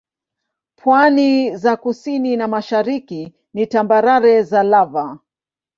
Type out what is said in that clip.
Pwani za kusini na mashariki ni tambarare za lava.